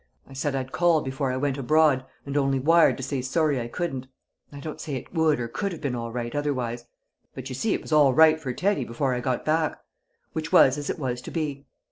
I said I'd call before I went abroad, and only wired to say sorry I couldn't. I don't say it would or could have been all right otherwise; but you see it was all right for Teddy before I got back! Which was as it was to be.